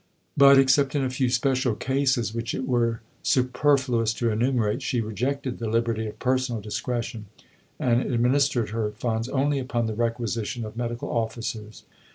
But, except in a few special cases, which it were superfluous to enumerate, she rejected the liberty of personal discretion, and administered her funds only upon the requisition of medical officers.